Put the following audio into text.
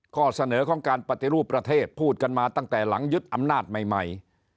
ข้อเสนอของการปฏิรูปประเทศพูดกันมาตั้งแต่หลังยึดอำนาจใหม่